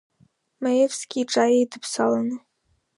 Маевски иҽааидыԥсаланы.